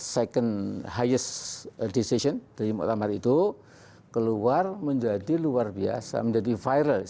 second highest decision dari muqtamar itu keluar menjadi luar biasa menjadi viral